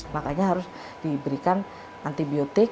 makanya harus diberikan antibiotik